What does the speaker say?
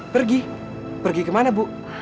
pergi pergi kemana ibu